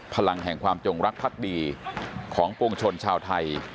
พลังแห่งความจงรักภักดีของปวงชนชาวไทย